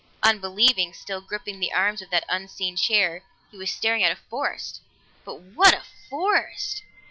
Unbelieving, still gripping the arms of that unseen chair, he was staring at a forest. But what a forest!